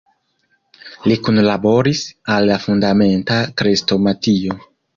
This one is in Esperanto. Li kunlaboris al la "Fundamenta Krestomatio.